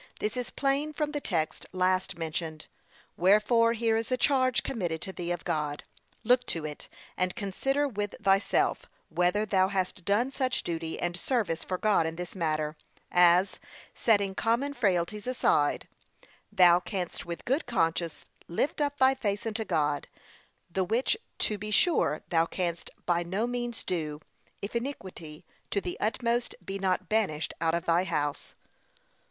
This is plain from the text last mentioned; wherefore here is a charge committed to thee of God. Look to it, and consider with thyself, whether thou hast done such duty and service for God in this matter, as, setting common frailties aside, thou canst with good conscience lift up thy face unto God; the which to be sure thou canst by no means do, if iniquity, to the utmost, be not banished out of thy house.